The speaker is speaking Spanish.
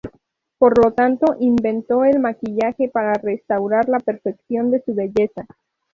Por lo tanto inventó el maquillaje para restaurar la perfección de su belleza.